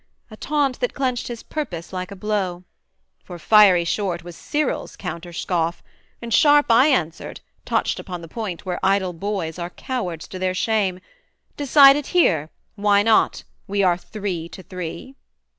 A taunt that clenched his purpose like a blow! For fiery short was Cyril's counter scoff, And sharp I answered, touched upon the point Where idle boys are cowards to their shame, 'Decide it here: why not? we are three to three.'